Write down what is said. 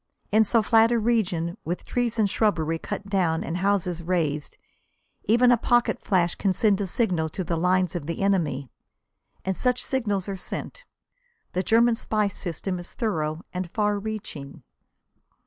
In so flat a region, with trees and shrubbery cut down and houses razed, even a pocket flash can send a signal to the lines of the enemy. And such signals are sent. The German spy system is thorough and far reaching.